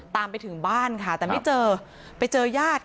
ตามไปถึงบ้านค่ะแต่ไม่เจอไปเจอญาติ